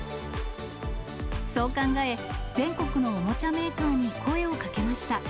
そう考え、全国のおもちゃメーカーに声をかけました。